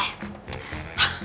yaudah kalau gitu